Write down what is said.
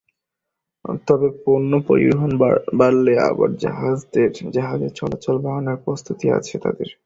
তবে পণ্য পরিবহন বাড়লে আবার জাহাজের চলাচল বাড়ানোর প্রস্তুতি আছে তঁদের।